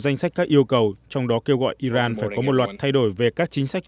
danh sách các yêu cầu trong đó kêu gọi iran phải có một loạt thay đổi về các chính sách